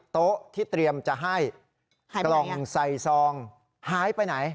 โต๊ะที่เตรียมจะให้กล่องใส่ซองหายไปไหน